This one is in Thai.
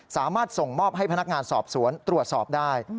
สามารถส่งมอบให้พนักงานสอบสวนตรวจสอบได้